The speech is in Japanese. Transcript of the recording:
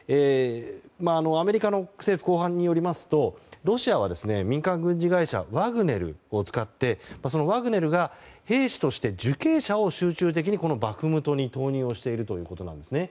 アメリカの政府高官によりますとロシアは民間軍事会社ワグネルを使ってワグネルが兵士として受刑者を集中的にバフムトに投入しているということです。